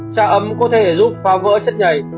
trà ấm có thể giúp pha vỡ chất nhầy